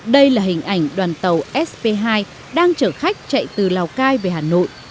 đây là hình ảnh đoàn tàu sp hai đang chở khách chạy từ lào cai về hà nội